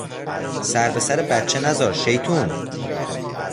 سر به سر بچه نذار، شیطون!